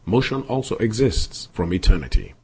Motion also exists from eternity.